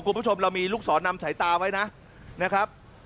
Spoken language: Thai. คุณผู้ชมเรามีลูกศรนำสายตาไว้นะนะครับ